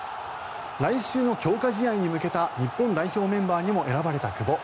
来週の強化試合に向けた日本代表メンバーにも選ばれた久保。